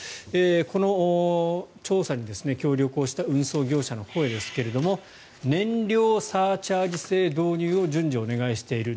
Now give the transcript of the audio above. この調査に協力をした運送業者の声ですが燃料サーチャージ制導入を順次お願いしている。